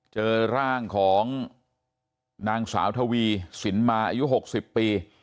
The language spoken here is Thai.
เจอร่างของนางสาวทวีสินมาอายุ๖๐ปี